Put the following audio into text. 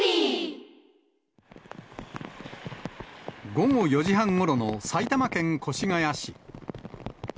午後４時半ごろの埼玉県越谷市。